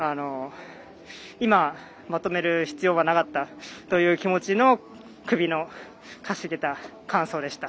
今、まとめる必要はなかったという気持ちの首のかしげた感想でした。